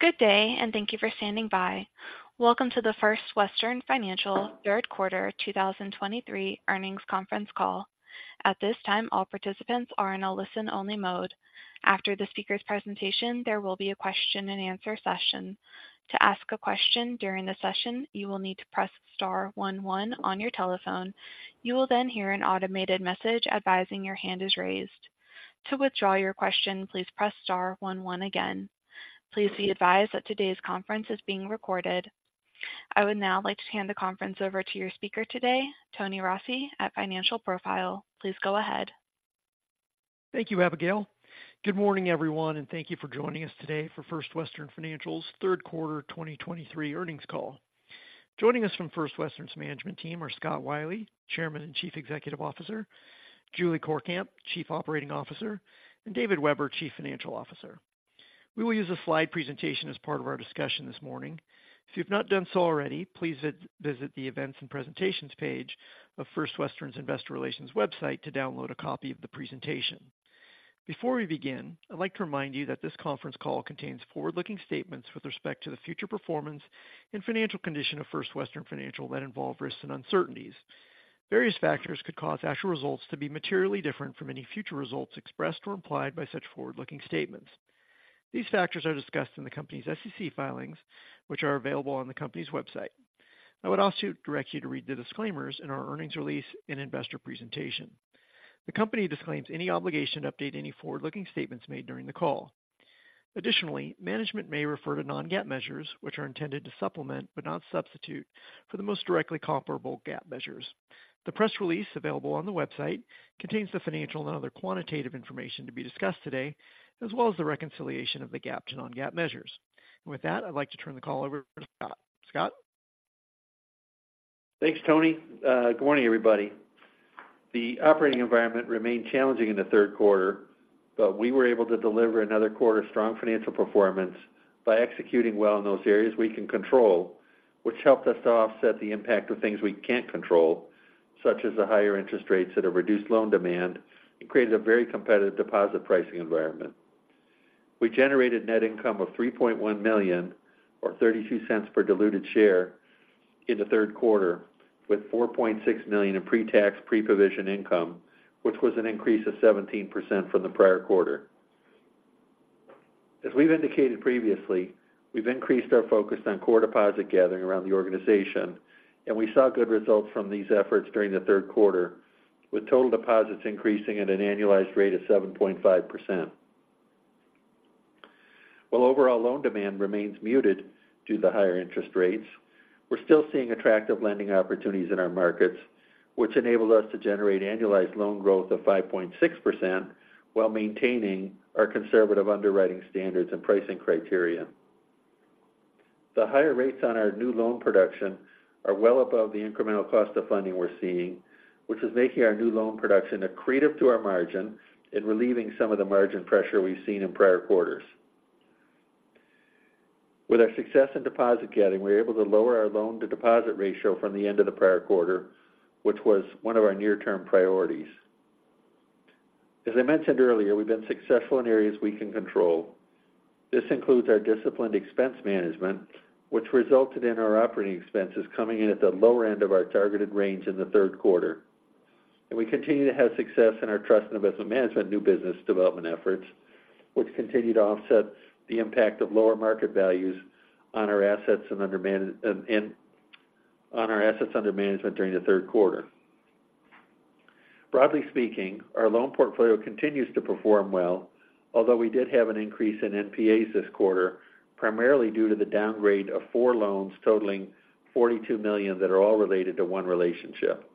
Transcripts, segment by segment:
Good day, and thank you for standing by. Welcome to the First Western Financial Third Quarter 2023 Earnings Conference Call. At this time, all participants are in a listen-only mode. After the speaker's presentation, there will be a question-and-answer session. To ask a question during the session, you will need to press star one one on your telephone. You will then hear an automated message advising your hand is raised. To withdraw your question, please press star one one again. Please be advised that today's conference is being recorded. I would now like to hand the conference over to your speaker today, Tony Rossi, at Financial Profiles. Please go ahead. Thank you, Abigail. Good morning, everyone, and thank you for joining us today for First Western Financial's Third Quarter 2023 Earnings Call. Joining us from First Western's management team are Scott Wylie, Chairman and Chief Executive Officer, Julie Courkamp, Chief Operating Officer, and David Weber, Chief Financial Officer. We will use a slide presentation as part of our discussion this morning. If you've not done so already, please visit the Events & Presentations page of First Western's Investor Relations website to download a copy of the presentation. Before we begin, I'd like to remind you that this conference call contains forward-looking statements with respect to the future performance and financial condition of First Western Financial that involve risks and uncertainties. Various factors could cause actual results to be materially different from any future results expressed or implied by such forward-looking statements. These factors are discussed in the company's SEC filings, which are available on the company's website. I would also direct you to read the disclaimers in our earnings release and investor presentation. The company disclaims any obligation to update any forward-looking statements made during the call. Additionally, management may refer to non-GAAP measures, which are intended to supplement, but not substitute, for the most directly comparable GAAP measures. The press release available on the website contains the financial and other quantitative information to be discussed today, as well as the reconciliation of the GAAP to non-GAAP measures. And with that, I'd like to turn the call over to Scott. Scott? Thanks Tony. Good morning everybody. The operating environment remained challenging in the third quarter, but we were able to deliver another quarter of strong financial performance by executing well in those areas we can control, which helped us to offset the impact of things we can't control, such as the higher interest rates that have reduced loan demand and created a very competitive deposit pricing environment. We generated net income of $3.1 million, or $0.32 per diluted share in the third quarter, with $4.6 million in pre-tax, pre-provision income, which was an increase of 17% from the prior quarter. As we've indicated previously, we've increased our focus on core deposit gathering around the organization, and we saw good results from these efforts during the third quarter, with total deposits increasing at an annualized rate of 7.5%. While overall loan demand remains muted due to the higher interest rates, we're still seeing attractive lending opportunities in our markets, which enabled us to generate annualized loan growth of 5.6% while maintaining our conservative underwriting standards and pricing criteria. The higher rates on our new loan production are well above the incremental cost of funding we're seeing, which is making our new loan production accretive to our margin and relieving some of the margin pressure we've seen in prior quarters. With our success in deposit gathering, we're able to lower our loan-to-deposit ratio from the end of the prior quarter, which was one of our near-term priorities. As I mentioned earlier, we've been successful in areas we can control. This includes our disciplined expense management, which resulted in our operating expenses coming in at the lower end of our targeted range in the third quarter. We continue to have success in our Trust and Investment Management new business development efforts, which continue to offset the impact of lower market values on our assets under management during the third quarter. Broadly speaking, our loan portfolio continues to perform well, although we did have an increase in NPAs this quarter, primarily due to the downgrade of four loans totaling $42 million that are all related to one relationship.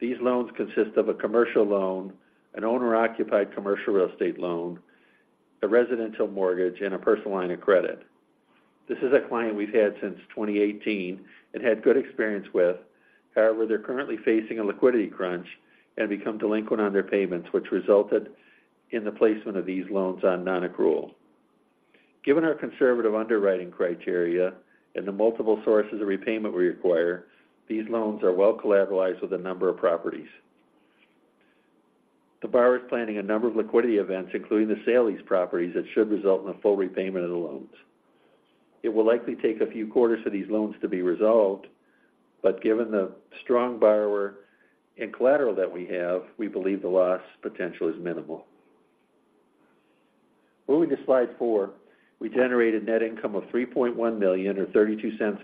These loans consist of a commercial loan, an owner-occupied commercial real estate loan, a residential mortgage, and a personal line of credit. This is a client we've had since 2018 and had good experience with. However, they're currently facing a liquidity crunch and have become delinquent on their payments, which resulted in the placement of these loans on non-accrual. Given our conservative underwriting criteria and the multiple sources of repayment we require, these loans are well collateralized with a number of properties. The borrower is planning a number of liquidity events, including the sale of these properties, that should result in the full repayment of the loans. It will likely take a few quarters for these loans to be resolved, but given the strong borrower and collateral that we have, we believe the loss potential is minimal. Moving to slide four, we generated net income of $3.1 million, or $0.32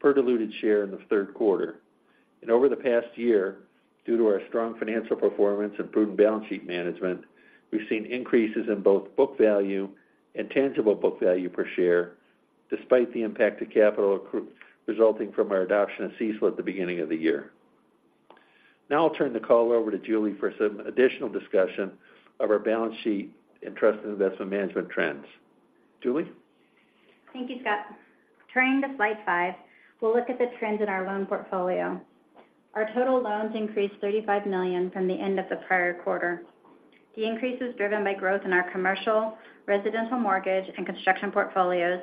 per diluted share in the third quarter. Over the past year, due to our strong financial performance and prudent balance sheet management, we've seen increases in both book value and tangible book value per share, despite the impact to capital accruals resulting from our adoption of CECL at the beginning of the year. Now I'll turn the call over to Julie for some additional discussion of our balance sheet and Trust and Investment Management trends. Julie? Thank you, Scott. Turning to slide five, we'll look at the trends in our loan portfolio. Our total loans increased $35 million from the end of the prior quarter. The increase is driven by growth in our commercial, residential mortgage, and construction portfolios,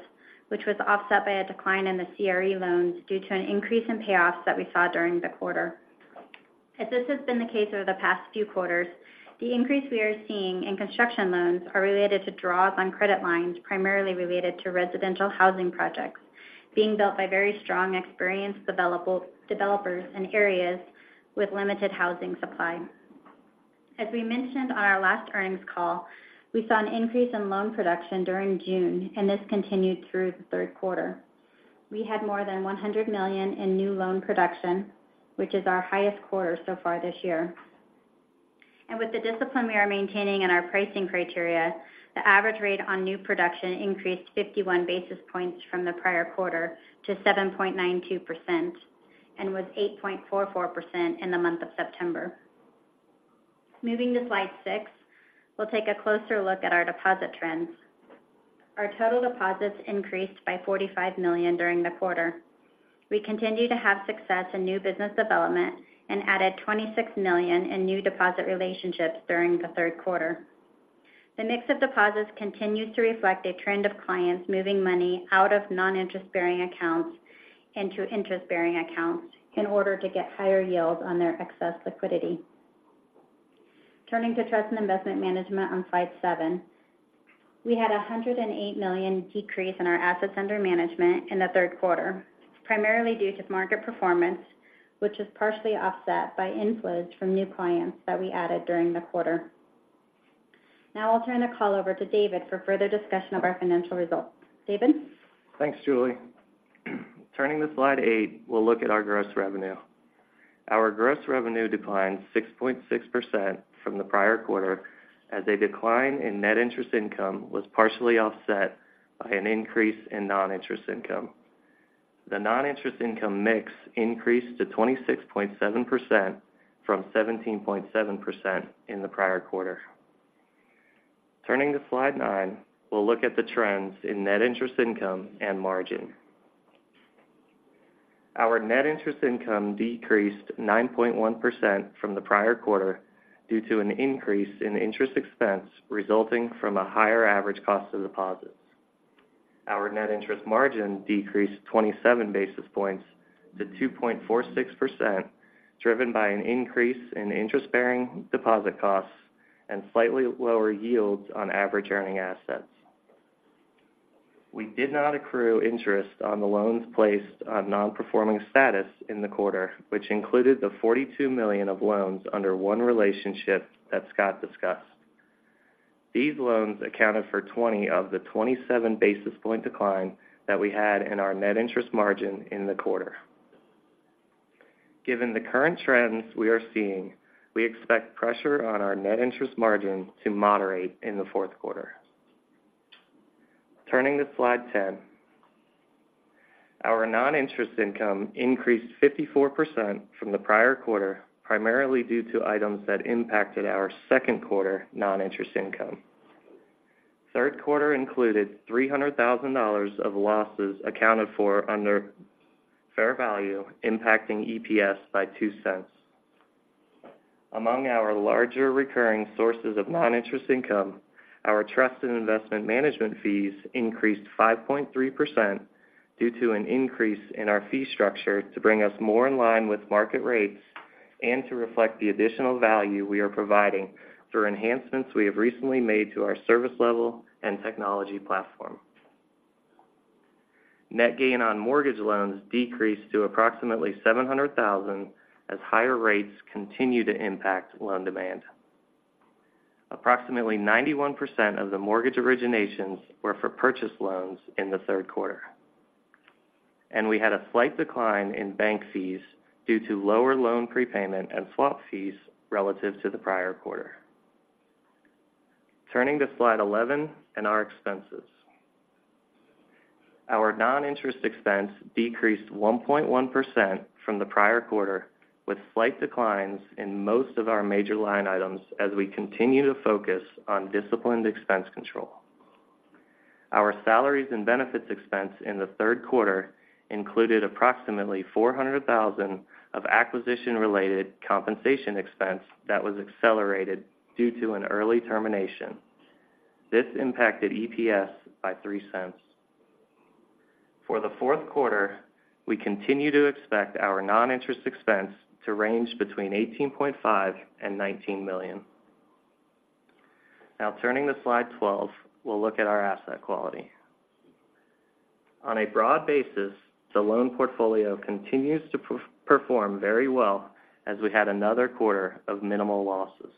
which was offset by a decline in the CRE loans due to an increase in payoffs that we saw during the quarter. As this has been the case over the past few quarters, the increase we are seeing in construction loans are related to draws on credit lines, primarily related to residential housing projects being built by very strong, experienced developers in areas with limited housing supply. As we mentioned on our last earnings call, we saw an increase in loan production during June, and this continued through the third quarter. We had more than $100 million in new loan production, which is our highest quarter so far this year. And with the discipline we are maintaining in our pricing criteria, the average rate on new production increased 51 basis points from the prior quarter to 7.92% and was 8.44% in the month of September. Moving to slide six, we'll take a closer look at our deposit trends. Our total deposits increased by $45 million during the quarter. We continue to have success in new business development and added $26 million in new deposit relationships during the third quarter. The mix of deposits continues to reflect a trend of clients moving money out of non-interest-bearing accounts into interest-bearing accounts in order to get higher yields on their excess liquidity. Turning to Trust and Investment Management on slide seven. We had a $108 million decrease in our assets under management in the third quarter, primarily due to market performance, which is partially offset by inflows from new clients that we added during the quarter. Now I'll turn the call over to David for further discussion of our financial results. David? Thanks, Julie. Turning to slide eight, we'll look at our gross revenue. Our gross revenue declined 6.6% from the prior quarter, as a decline in net interest income was partially offset by an increase in non-interest income. The non-interest income mix increased to 26.7% from 17.7% in the prior quarter. Turning to slide nine, we'll look at the trends in net interest income and margin. Our net interest income decreased 9.1% from the prior quarter due to an increase in interest expense resulting from a higher average cost of deposits. Our net interest margin decreased 27 basis points to 2.46%, driven by an increase in interest-bearing deposit costs and slightly lower yields on average earning assets. We did not accrue interest on the loans placed on nonperforming status in the quarter, which included the $42 million of loans under one relationship that Scott discussed. These loans accounted for 20 of the 27 basis point decline that we had in our net interest margin in the quarter. Given the current trends we are seeing, we expect pressure on our net interest margin to moderate in the fourth quarter. Turning to slide 10, our non-interest income increased 54% from the prior quarter, primarily due to items that impacted our second quarter non-interest income. Third quarter included $300,000 of losses accounted for under fair value, impacting EPS by $0.02. Among our larger recurring sources of non-interest income, our Trust and Investment Management fees increased 5.3% due to an increase in our fee structure to bring us more in line with market rates and to reflect the additional value we are providing through enhancements we have recently made to our service level and technology platform. Net gain on mortgage loans decreased to approximately $700,000, as higher rates continue to impact loan demand. Approximately 91% of the mortgage originations were for purchase loans in the third quarter. We had a slight decline in bank fees due to lower loan prepayment and swap fees relative to the prior quarter. Turning to slide 11 and our expenses. Our non-interest expense decreased 1.1% from the prior quarter, with slight declines in most of our major line items as we continue to focus on disciplined expense control. Our salaries and benefits expense in the third quarter included approximately $400,000 of acquisition-related compensation expense that was accelerated due to an early termination. This impacted EPS by $0.03. For the fourth quarter, we continue to expect our non-interest expense to range between $18.5 million and $19 million. Now, turning to slide 12, we'll look at our asset quality. On a broad basis, the loan portfolio continues to perform very well, as we had another quarter of minimal losses.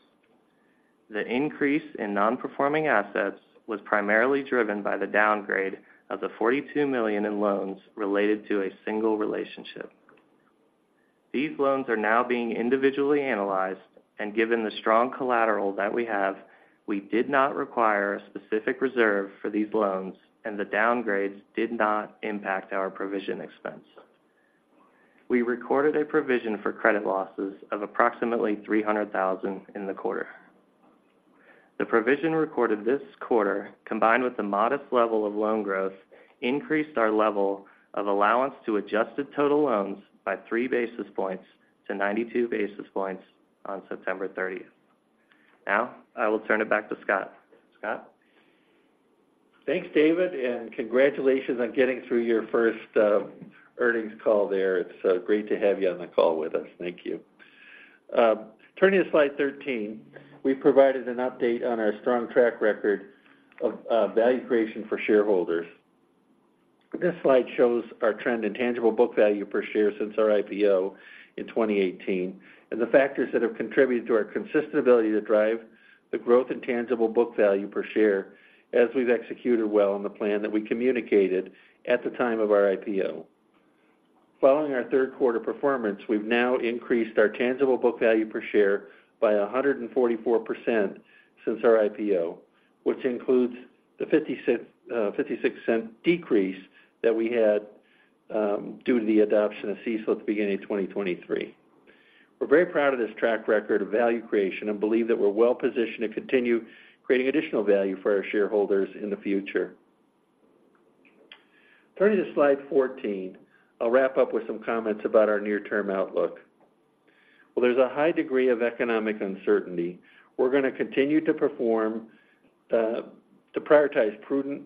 The increase in non-performing assets was primarily driven by the downgrade of the $42 million in loans related to a single relationship. These loans are now being individually analyzed, and given the strong collateral that we have, we did not require a specific reserve for these loans, and the downgrades did not impact our provision expense. We recorded a provision for credit losses of approximately $300,000 in the quarter. The provision recorded this quarter, combined with the modest level of loan growth, increased our level of allowance to adjusted total loans by 3 basis points to 92 basis points on September 30th. Now, I will turn it back to Scott. Scott? Thanks, David, and congratulations on getting through your first earnings call there. It's great to have you on the call with us. Thank you. Turning to slide 13, we've provided an update on our strong track record of value creation for shareholders. This slide shows our trend in tangible book value per share since our IPO in 2018, and the factors that have contributed to our consistent ability to drive the growth in tangible book value per share as we've executed well on the plan that we communicated at the time of our IPO. Following our third quarter performance, we've now increased our tangible book value per share by 144% since our IPO, which includes the $0.56 decrease that we had due to the adoption of CECL at the beginning of 2023. We're very proud of this track record of value creation and believe that we're well positioned to continue creating additional value for our shareholders in the future. Turning to slide 14, I'll wrap up with some comments about our near-term outlook. Well, there's a high degree of economic uncertainty. We're going to continue to perform, to prioritize prudent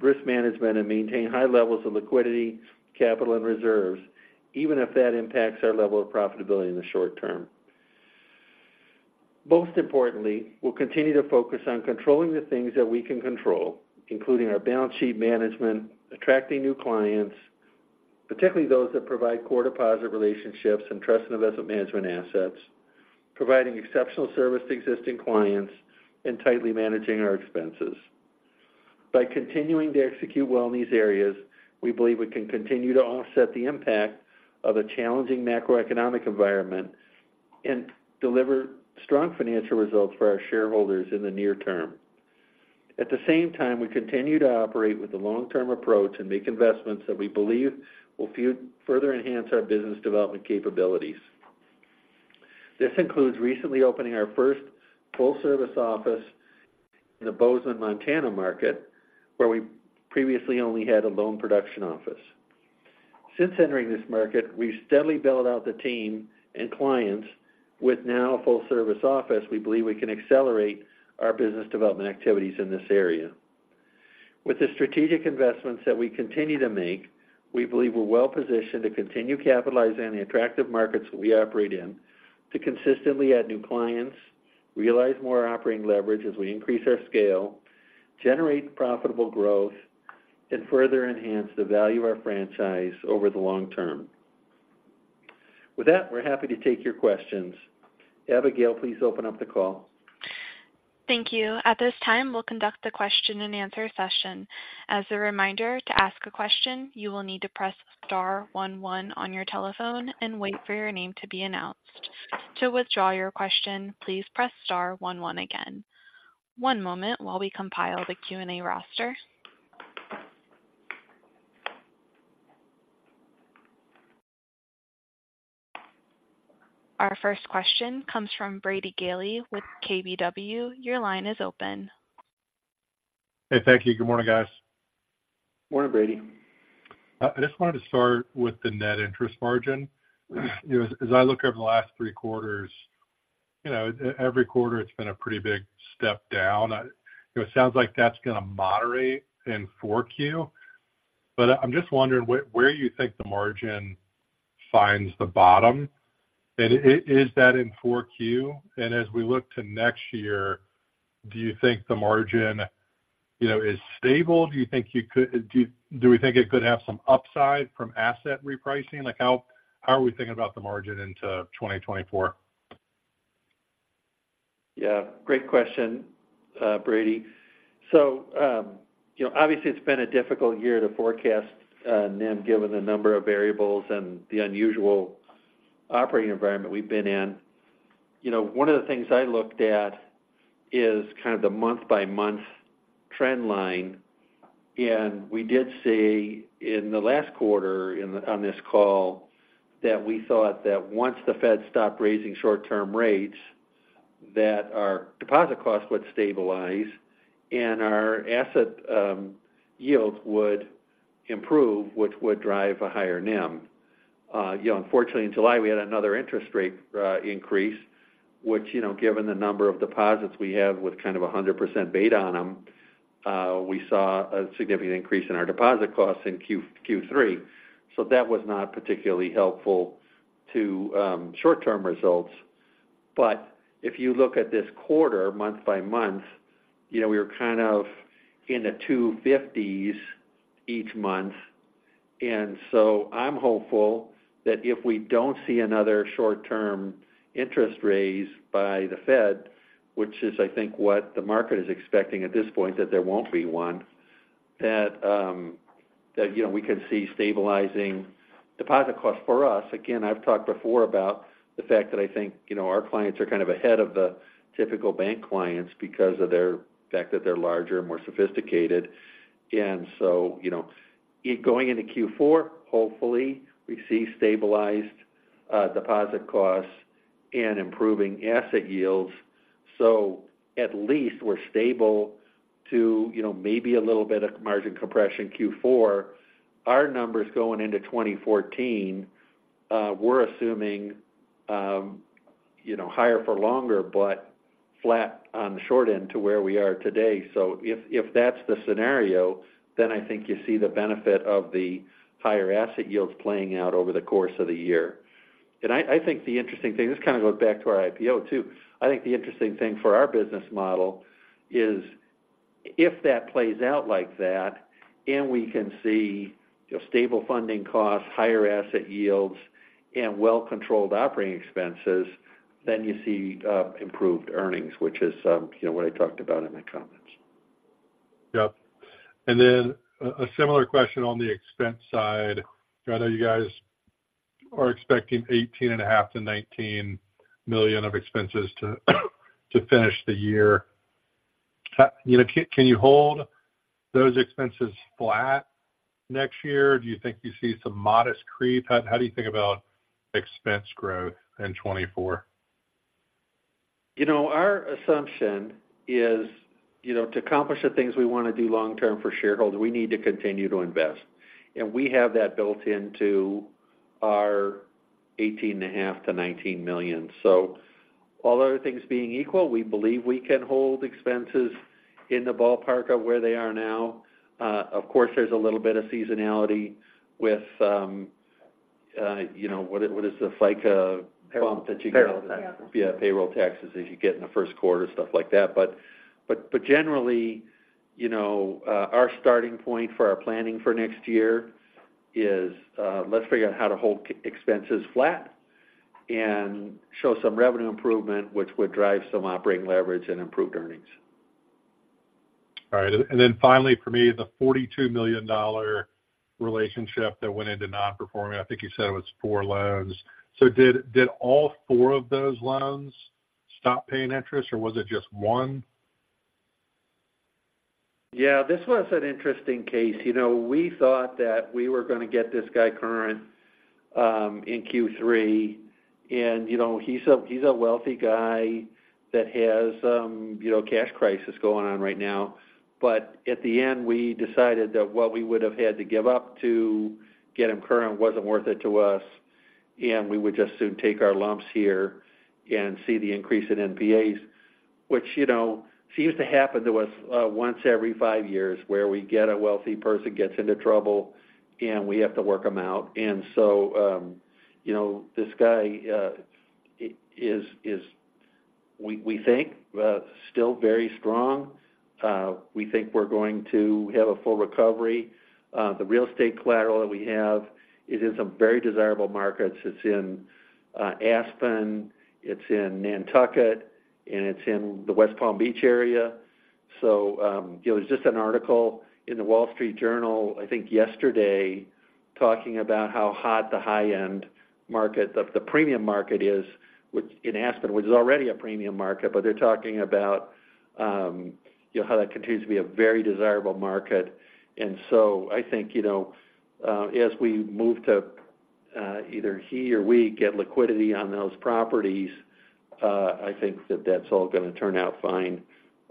risk management and maintain high levels of liquidity, capital, and reserves, even if that impacts our level of profitability in the short term. Most importantly, we'll continue to focus on controlling the things that we can control, including our balance sheet management, attracting new clients, particularly those that provide core deposit relationships and Trust and Investment Management assets, providing exceptional service to existing clients, and tightly managing our expenses. By continuing to execute well in these areas, we believe we can continue to offset the impact of a challenging macroeconomic environment and deliver strong financial results for our shareholders in the near term. At the same time, we continue to operate with a long-term approach and make investments that we believe will further enhance our business development capabilities. This includes recently opening our first full-service office in the Bozeman, Montana, market, where we previously only had a loan production office. Since entering this market, we've steadily built out the team and clients. With now a full-service office, we believe we can accelerate our business development activities in this area. With the strategic investments that we continue to make, we believe we're well positioned to continue capitalizing on the attractive markets that we operate in to consistently add new clients, realize more operating leverage as we increase our scale, generate profitable growth, and further enhance the value of our franchise over the long term. With that, we're happy to take your questions. Abigail, please open up the call. Thank you. At this time, we'll conduct the question-and-answer session. As a reminder, to ask a question, you will need to press star one one on your telephone and wait for your name to be announced. To withdraw your question, please press star one one again. One moment while we compile the Q&A roster. Our first question comes from Brady Gailey with KBW. Your line is open. Hey, thank you. Good morning, guys. Morning, Brady. I just wanted to start with the net interest margin. You know, as I look over the last three quarters, you know, every quarter, it's been a pretty big step down. It sounds like that's going to moderate in 4Q. But I'm just wondering where you think the margin finds the bottom? And is that in 4Q? And as we look to next year, do you think the margin, you know, is stable? Do you think we could have some upside from asset repricing? Like, how are we thinking about the margin into 2024? Yeah, great question, Brady. So, you know, obviously, it's been a difficult year to forecast NIM, given the number of variables and the unusual operating environment we've been in. You know, one of the things I looked at is kind of the month-by-month trend line, and we did see in the last quarter on this call that we thought that once the Fed stopped raising short-term rates, that our deposit costs would stabilize and our asset yields would improve, which would drive a higher NIM. You know, unfortunately, in July, we had another interest rate increase, which, you know, given the number of deposits we have with kind of a 100% beta on them, we saw a significant increase in our deposit costs in Q3. So that was not particularly helpful to short-term results. But if you look at this quarter, month-by-month, you know, we were kind of in the 250s each month. And so I'm hopeful that if we don't see another short-term interest raise by the Fed, which is, I think, what the market is expecting at this point, that there won't be one, that, that, you know, we can see stabilizing deposit costs for us. Again, I've talked before about the fact that I think, you know, our clients are kind of ahead of the typical bank clients because of their fact that they're larger and more sophisticated. And so, you know, going into Q4, hopefully, we see stabilized, deposit costs and improving asset yields. So at least we're stable to, you know, maybe a little bit of margin compression Q4. Our numbers going into 2014, we're assuming- You know, higher for longer, but flat on the short end to where we are today. So if that's the scenario, then I think you see the benefit of the higher asset yields playing out over the course of the year. And I think the interesting thing, this kind of goes back to our IPO, too. I think the interesting thing for our business model is if that plays out like that, and we can see stable funding costs, higher asset yields, and well-controlled operating expenses, then you see improved earnings, which is, you know, what I talked about in my comments. Yep. And then a similar question on the expense side. I know you guys are expecting $18.5 million and $19 million of expenses to finish the year. You know, can you hold those expenses flat next year? Do you think you see some modest creep? How do you think about expense growth in 2024? You know, our assumption is, you know, to accomplish the things we want to do long term for shareholders, we need to continue to invest. We have that built into our $18.5 million-$19 million. So all other things being equal, we believe we can hold expenses in the ballpark of where they are now. Of course, there's a little bit of seasonality with, you know, what is the FICA bump that you get? Payroll tax. Yeah, payroll taxes, as you get in the first quarter, stuff like that. But generally, you know, our starting point for our planning for next year is, let's figure out how to hold expenses flat and show some revenue improvement, which would drive some operating leverage and improved earnings. All right. Then finally, for me, the $42 million relationship that went into nonperforming, I think you said it was four loans. So did all four of those loans stop paying interest, or was it just one? Yeah, this was an interesting case. You know, we thought that we were going to get this guy current in Q3, and, you know, he's a wealthy guy that has, you know, cash crisis going on right now. But at the end, we decided that what we would have had to give up to get him current wasn't worth it to us, and we would just soon take our lumps here and see the increase in NPAs, which, you know, seems to happen to us once every five years, where we get a wealthy person, gets into trouble, and we have to work them out. And so, you know, this guy is, we think, still very strong. We think we're going to have a full recovery. The real estate collateral that we have is in some very desirable markets. It's in Aspen, it's in Nantucket, and it's in the West Palm Beach area. There was just an article in The Wall Street Journal, I think yesterday, talking about how hot the high-end market, the premium market is, which in Aspen, which is already a premium market, but they're talking about, you know, how that continues to be a very desirable market. So I think, you know, as we move to, either he or we get liquidity on those properties, I think that that's all going to turn out fine.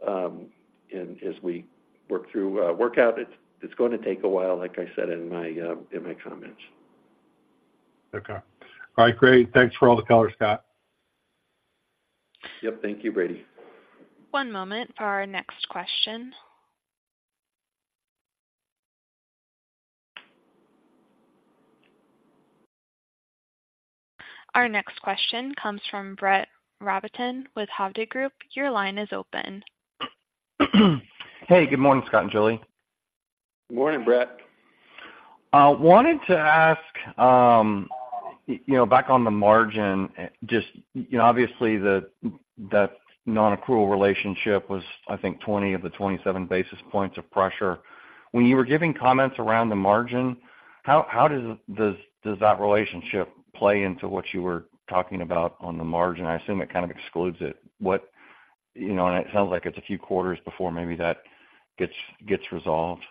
And as we work through work out, it's going to take a while, like I said in my comments. Okay. All right, great. Thanks for all the color, Scott. Yep. Thank you, Brady. One moment for our next question. Our next question comes from Brett Rabatin with Hovde Group. Your line is open. Hey, good morning, Scott and Julie. Good morning, Brett. Wanted to ask, you know, back on the margin, just, you know, obviously, that nonaccrual relationship was, I think, 20 of the 27 basis points of pressure. When you were giving comments around the margin, how does that relationship play into what you were talking about on the margin? I assume it kind of excludes it. What, you know, and it sounds like it's a few quarters before maybe that gets resolved.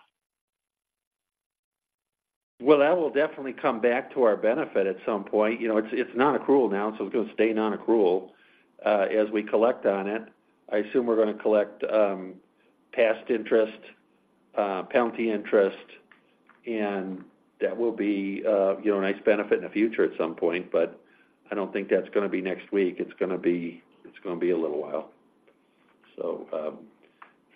Well, that will definitely come back to our benefit at some point. You know, it's, it's nonaccrual now, so it's going to stay nonaccrual as we collect on it. I assume we're going to collect past interest, penalty interest, and that will be, you know, a nice benefit in the future at some point, but I don't think that's going to be next week. It's going to be, it's going to be a little while. So,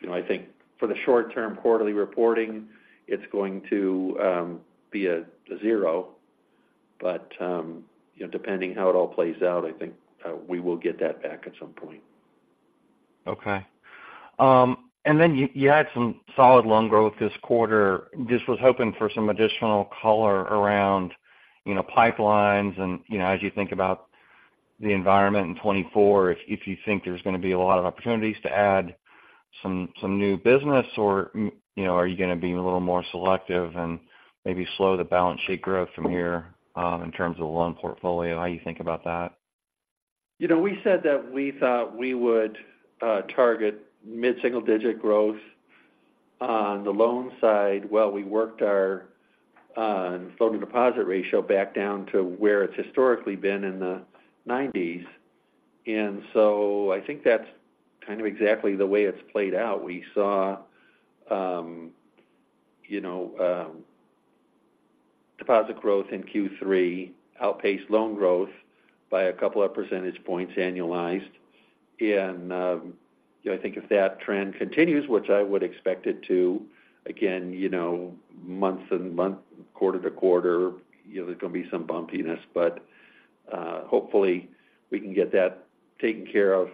you know, I think for the short term quarterly reporting, it's going to be a zero. But, you know, depending how it all plays out, I think we will get that back at some point. Okay. And then you had some solid loan growth this quarter. Just was hoping for some additional color around, you know, pipelines and, you know, as you think about the environment in 2024, if you think there's going to be a lot of opportunities to add some new business, or, you know, are you going to be a little more selective and maybe slow the balance sheet growth from here, in terms of the loan portfolio? How you think about that? You know, we said that we thought we would target mid single-digit growth on the loan side, while we worked our loan-to-deposit ratio back down to where it's historically been in the 90s. And so I think that's kind of exactly the way it's played out. We saw, you know, deposit growth in Q3 outpaced loan growth by a couple of percentage points annualized. And, you know, I think if that trend continues, which I would expect it to, again, you know, months and month, quarter-to-quarter, you know, there's going to be some bumpiness, but, hopefully, we can get that taken care of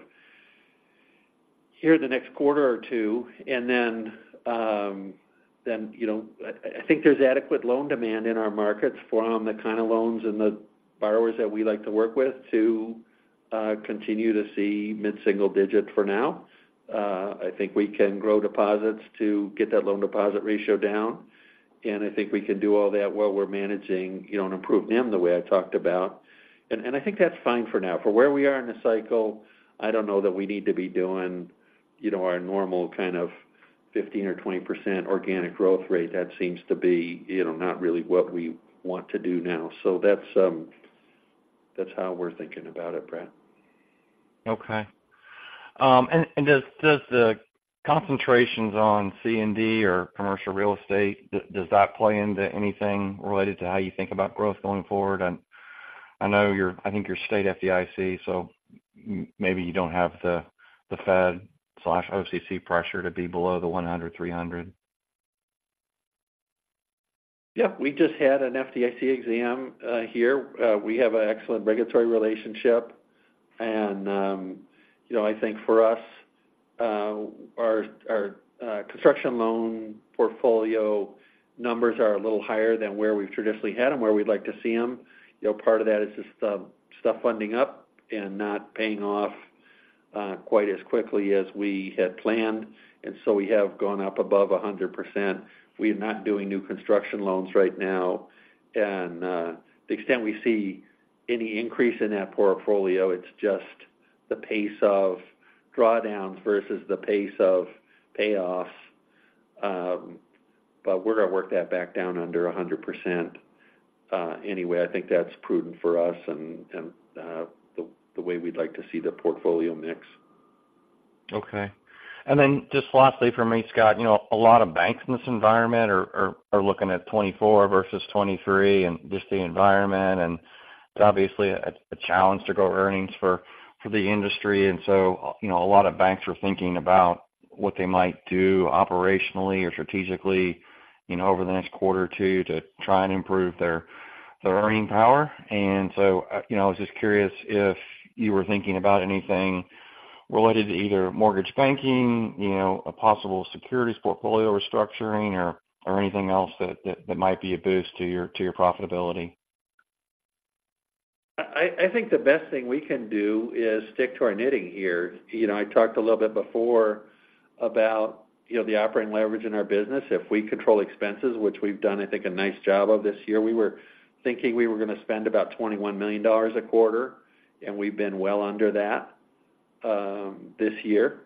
here the next quarter or two. And then, then, you know, I, I think there's adequate loan demand in our markets from the kind of loans and the borrowers that we like to work with to continue to see mid single-digit for now. I think we can grow deposits to get that loan deposit ratio down, and I think we can do all that while we're managing, you know, an improved NIM, the way I talked about. And, and I think that's fine for now. For where we are in the cycle, I don't know that we need to be doing, you know, our normal kind of 15% or 20% organic growth rate. That seems to be, you know, not really what we want to do now. So that's, that's how we're thinking about it, Brett. Okay. And does the concentrations on C&D or commercial real estate, does that play into anything related to how you think about growth going forward? And I know your—I think your state FDIC, so maybe you don't have the Fed/OCC pressure to be below the 100, 300. Yeah, we just had an FDIC exam here. We have an excellent regulatory relationship, and you know, I think for us, our construction loan portfolio numbers are a little higher than where we've traditionally had them, where we'd like to see them. You know, part of that is just stuff funding up and not paying off quite as quickly as we had planned, and so we have gone up above 100%. We are not doing new construction loans right now, and the extent we see any increase in that portfolio, it's just the pace of drawdowns versus the pace of payoffs. But we're going to work that back down under 100%. Anyway, I think that's prudent for us and the way we'd like to see the portfolio mix. Okay. And then just lastly for me, Scott, you know, a lot of banks in this environment are looking at 2024 versus 2023, and just the environment, and obviously a challenge to grow earnings for the industry. And so, you know, a lot of banks are thinking about what they might do operationally or strategically, you know, over the next quarter or two to try and improve their earning power. And so, you know, I was just curious if you were thinking about anything related to either mortgage banking, you know, a possible securities portfolio restructuring or anything else that might be a boost to your profitability. I think the best thing we can do is stick to our knitting here. You know, I talked a little bit before about, you know, the operating leverage in our business. If we control expenses, which we've done, I think, a nice job of this year, we were thinking we were going to spend about $21 million a quarter, and we've been well under that, this year.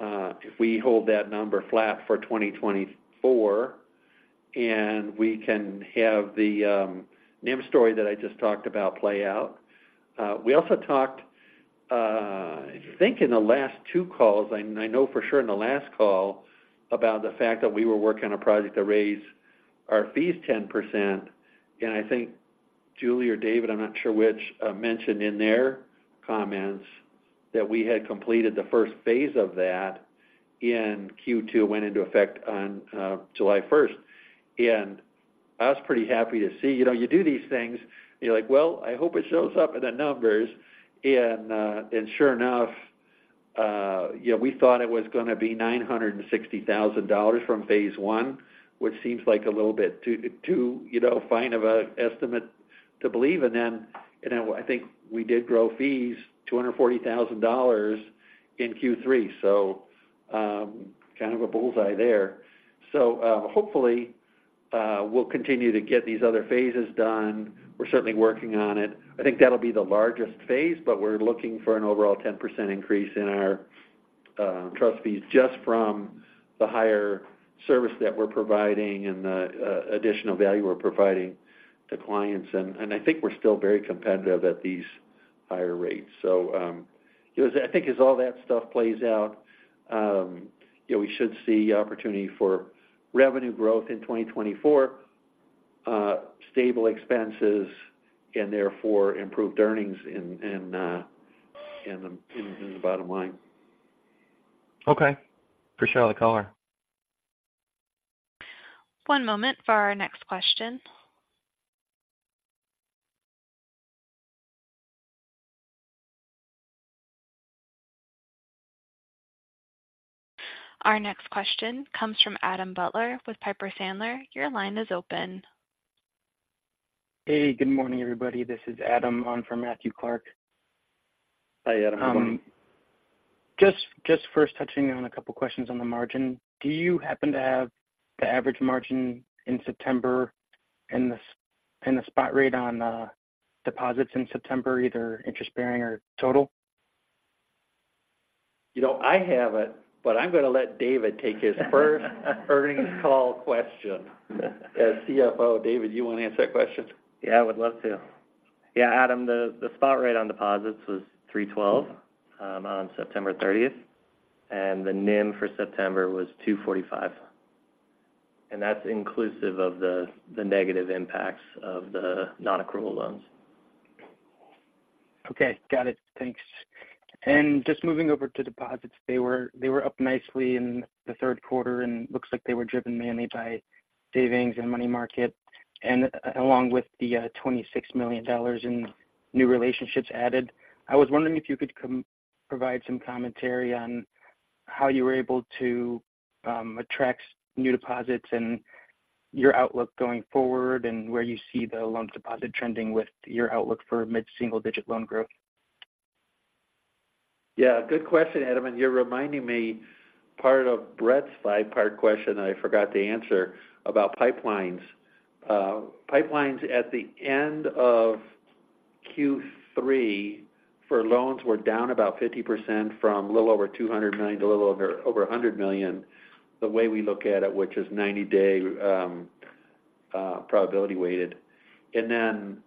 If we hold that number flat for 2024, and we can have the, NIM story that I just talked about play out. We also talked, I think in the last two calls, and I know for sure in the last call, about the fact that we were working on a project to raise our fees 10%. I think Julie or David, I'm not sure which, mentioned in their comments that we had completed the first phase of that in Q2, went into effect on July first. I was pretty happy to see. You know, you do these things, you're like, "Well, I hope it shows up in the numbers." And sure enough, you know, we thought it was going to be $960,000 from phase I, which seems like a little bit too fine of an estimate to believe. And then, I think we did grow fees $240,000 in Q3, so kind of a bullseye there. So, hopefully, we'll continue to get these other phases done. We're certainly working on it. I think that'll be the largest phase, but we're looking for an overall 10% increase in our trust fees just from the higher service that we're providing and the additional value we're providing to clients. I think we're still very competitive at these higher rates. So, you know, as I think as all that stuff plays out, you know, we should see opportunity for revenue growth in 2024, stable expenses and therefore improved earnings in the bottom line. Okay. Appreciate the color. One moment for our next question. Our next question comes from Adam Butler with Piper Sandler. Your line is open. Hey, good morning, everybody. This is Adam, on for Matthew Clark. Hi Adam. Good morning. Just first touching on a couple questions on the margin. Do you happen to have the average margin in September and the spot rate on deposits in September, either interest-bearing or total? You know, I have it, but I'm going to let David take his first earnings call question as CFO. David, do you want to answer that question? Yeah, I would love to. Yeah, Adam, the spot rate on deposits was 3.12% on September 30th, and the NIM for September was 2.45%. That's inclusive of the negative impacts of the non-accrual loans. Okay, got it. Thanks. And just moving over to deposits, they were, they were up nicely in the third quarter, and it looks like they were driven mainly by savings and money market, and along with the $26 million in new relationships added. I was wondering if you could provide some commentary on how you were able to attract new deposits and your outlook going forward, and where you see the loan deposit trending with your outlook for mid single-digit loan growth? Yeah, good question, Adam, and you're reminding me part of Brett's five-part question I forgot to answer about pipelines. Pipelines at the end of Q3 for loans were down about 50% from a little over $200 million to a little over $100 million, the way we look at it, which is 90-day probability weighted. And then,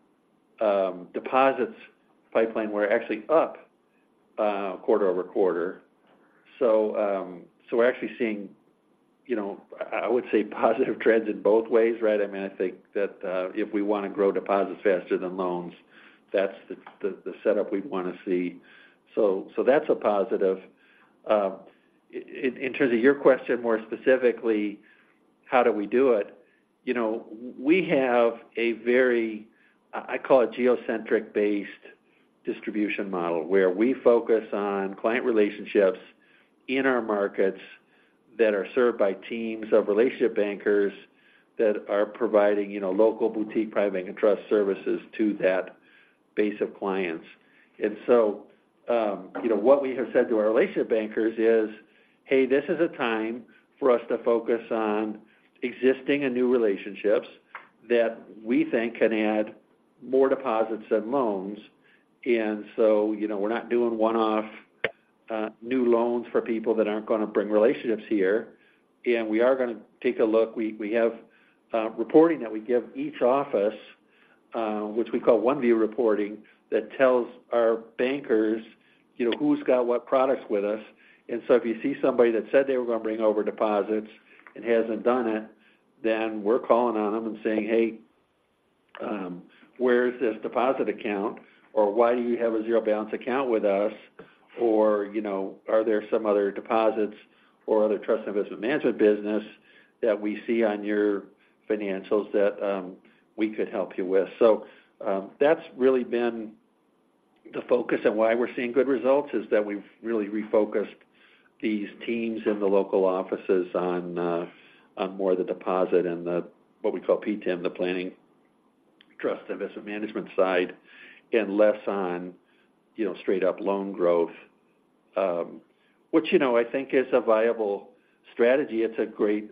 deposits pipeline were actually up quarter-over-quarter. So, so we're actually seeing, you know, I, I would say positive trends in both ways, right? I mean, I think that, if we want to grow deposits faster than loans, that's the, the, the setup we'd want to see. So, so that's a positive. In terms of your question, more specifically, how do we do it? You know, we have a very, I call it geocentric-based distribution model, where we focus on client relationships in our markets that are served by teams of relationship bankers that are providing, you know, local boutique, private and trust services to that base of clients. And so, you know, what we have said to our relationship bankers is, "Hey, this is a time for us to focus on existing and new relationships that we think can add more deposits than loans." And so, you know, we're not doing one-off, new loans for people that aren't gonna bring relationships here. And we are gonna take a look. We have reporting that we give each office, which we call One View reporting, that tells our bankers, you know, who's got what products with us. So if you see somebody that said they were going to bring over deposits and hasn't done it, then we're calling on them and saying, "Hey, where is this deposit account?" Or, "Why do you have a zero balance account with us?" Or, you know, "Are there some other deposits or other Trust and Investment Management business that we see on your financials that, we could help you with?" So, that's really been the focus on why we're seeing good results, is that we've really refocused these teams in the local offices on more of the deposit and the, what we call PTIM, the Planning, Trust, and Investment Management side, and less on, you know, straight up loan growth. Which, you know, I think is a viable strategy. It's a great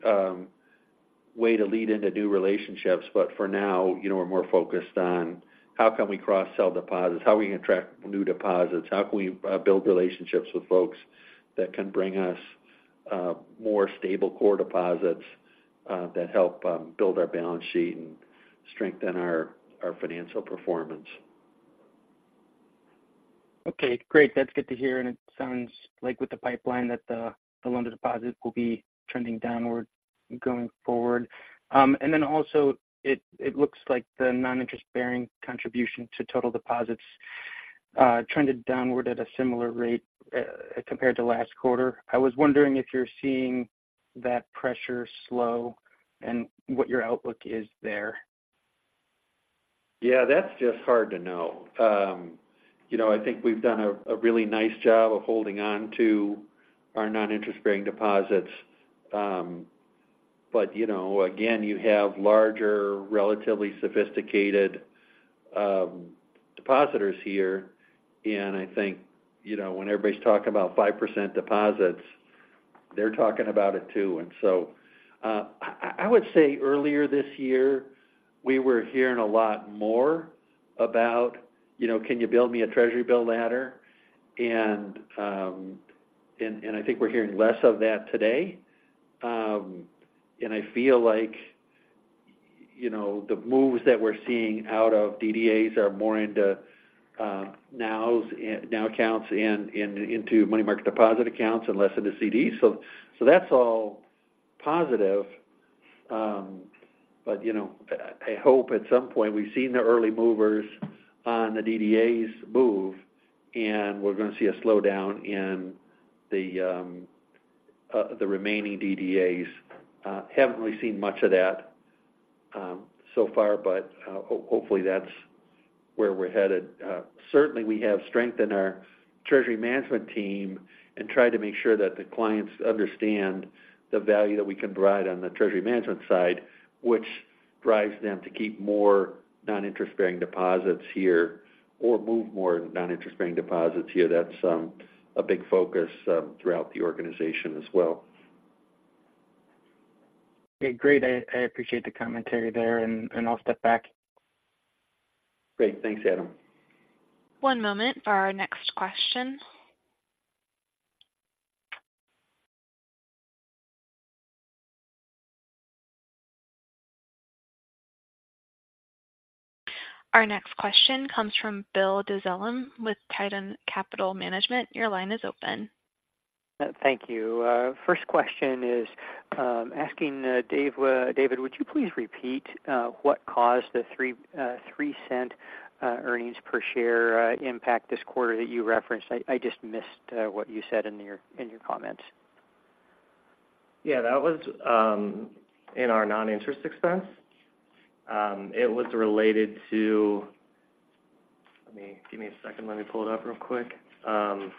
way to lead into new relationships. But for now, you know, we're more focused on how can we cross-sell deposits? How we can attract new deposits? How can we build relationships with folks that can bring us more stable core deposits that help build our balance sheet and strengthen our financial performance? Okay, great. That's good to hear, and it sounds like with the pipeline, that the loan to deposit will be trending downward going forward. And then also, it looks like the non-interest-bearing contribution to total deposits trended downward at a similar rate compared to last quarter. I was wondering if you're seeing that pressure slow and what your outlook is there. Yeah, that's just hard to know. You know, I think we've done a really nice job of holding on to our non-interest-bearing deposits. But, you know, again, you have larger, relatively sophisticated depositors here. And I think, you know, when everybody's talking about 5% deposits, they're talking about it too. And so, I would say earlier this year, we were hearing a lot more about, you know, can you build me a treasury bill ladder? And I think we're hearing less of that today. And I feel like, you know, the moves that we're seeing out of DDAs are more into NOWs, NOW accounts and into money market deposit accounts and less into CDs. So that's all positive. But, you know, I hope at some point. We've seen the early movers on the DDAs move, and we're going to see a slowdown in the, the remaining DDAs. Haven't really seen much of that, so far, but, hopefully, that's where we're headed. Certainly, we have strength in our Treasury Management team and try to make sure that the clients understand the value that we can provide on the Treasury Management side, which drives them to keep more non-interest-bearing deposits here or move more non-interest-bearing deposits here. That's, a big focus, throughout the organization as well. Okay, great. I appreciate the commentary there, and I'll step back. Great. Thanks, Adam. One moment for our next question. Our next question comes from Bill Dezellem with Tieton Capital Management. Your line is open. Thank you. First question is asking David, would you please repeat what caused the $0.03 earnings per share impact this quarter that you referenced? I just missed what you said in your comments. Yeah, that was in our non-interest expense. It was related to. Give me a second, let me pull it up real quick. So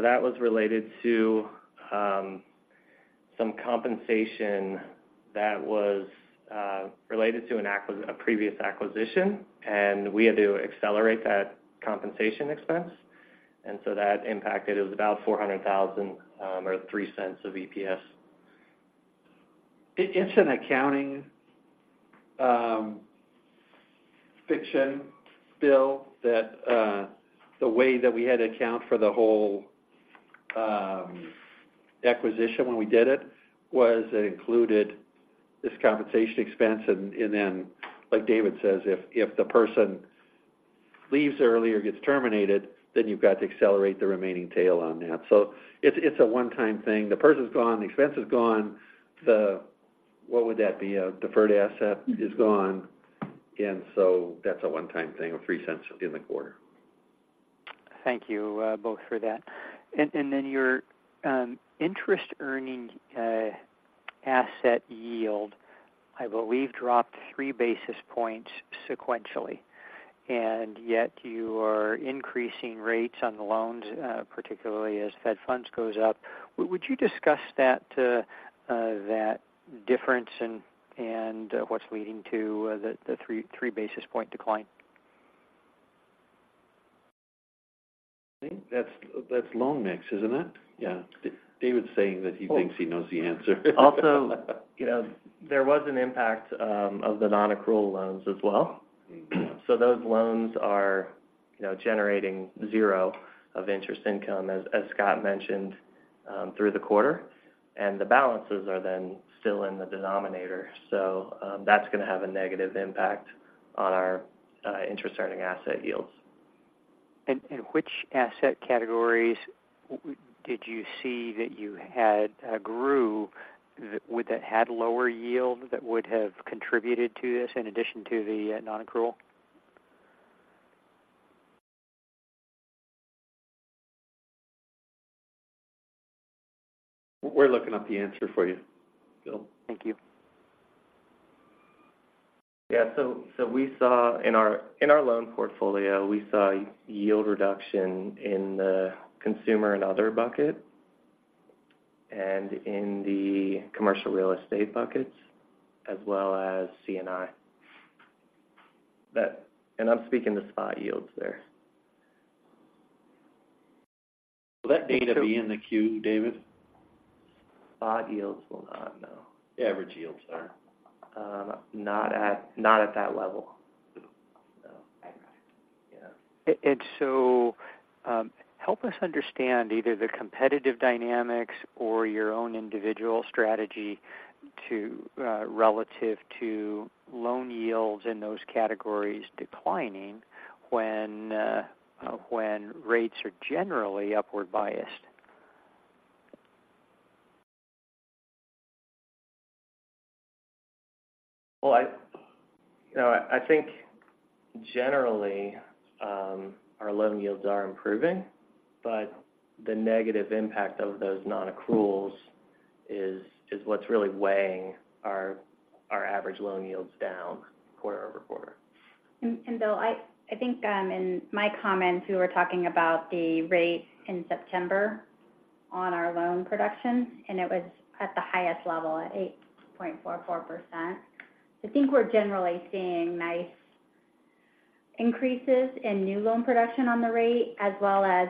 that was related to some compensation that was related to a previous acquisition, and we had to accelerate that compensation expense, and so that impact, it was about $400,000, or $0.03 of EPS. It's an accounting fiction, Bill, that the way that we had to account for the whole acquisition when we did it was, it included this compensation expense. And then, like David says, if the person leaves early or gets terminated, then you've got to accelerate the remaining tail on that. So it's a one-time thing. The person's gone, the expense is gone. What would that be? A deferred asset is gone. And so that's a one-time thing of $0.03 in the quarter. Thank you, both for that. And then your interest earning asset yield, I believe, dropped three basis points sequentially, and yet you are increasing rates on the loans, particularly as Fed funds goes up. Would you discuss that difference and what's leading to the 3 basis point decline? I think that's, that's loan mix, isn't it? Yeah. David's saying that he thinks he knows the answer. Also, you know, there was an impact of the nonaccrual loans as well. So those loans are, you know, generating zero of interest income, as Scott mentioned, through the quarter, and the balances are then still in the denominator. So, that's going to have a negative impact on our interest-earning asset yields. And which asset categories did you see that you had grew, that with that had lower yield, that would have contributed to this in addition to the nonaccrual? We're looking up the answer for you, Bill. Thank you. Yeah. So we saw in our—in our loan portfolio, we saw yield reduction in the consumer and other bucket, and in the commercial real estate buckets, as well as C&I. That, and I'm speaking to spot yields there. Will that data be in the Q, David? Spot yields will not, no. Average yields, sorry. Not at that level. No. Yeah. Help us understand either the competitive dynamics or your own individual strategy relative to loan yields in those categories declining when rates are generally upward biased? Well, you know, I think generally, our loan yields are improving, but the negative impact of those nonaccruals is what's really weighing our average loan yields down quarte-over-quarter. Bill, I think, in my comments, we were talking about the rate in September on our loan production, and it was at the highest level at 8.44%. I think we're generally seeing nice increases in new loan production on the rate, as well as,